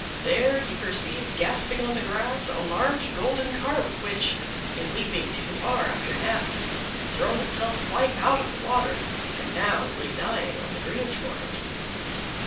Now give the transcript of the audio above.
There he perceived gasping on the grass a large golden Carp, which, in leaping too far after gnats, had thrown itself quite out of the water, and now lay dying on the greensward.